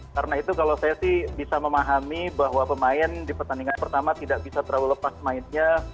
karena itu kalau saya sih bisa memahami bahwa pemain di pertandingan pertama tidak bisa terlalu lepas mainnya